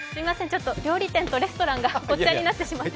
料理店とレストランがごっちゃになってすみません。